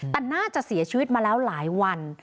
แต่น่าจะเสียชีวิตมาแล้วหลายวัน